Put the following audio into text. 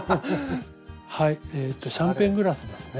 はいえっとシャンパングラスですね。